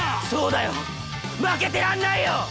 そうだよ負けてらんないよ！